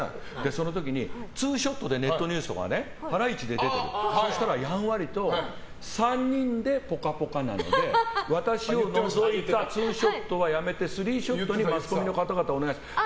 その時にツーショットでネットニュースとかにハライチと出てるそうしたらやんわりと３人で「ぽかぽか」なので私を除いたツーショットはやめてスリーショットにマスコミの方々お願いします。